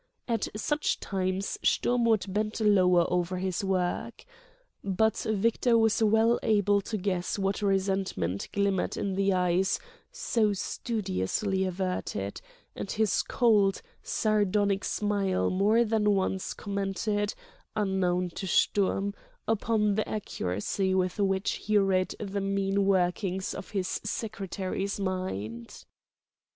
At such times Sturm would bend lower over his work. But Victor was well able to guess what resentment glimmered in the eyes so studiously averted; and his cold, sardonic smile more than once commented, unknown to Sturm, upon the accuracy with which he read the mean workings of his "secretary's" mind.